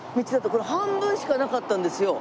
これ半分しかなかったんですよ。